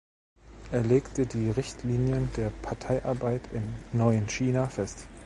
Er legte die Richtlinien der Parteiarbeit im "neuen China" fest.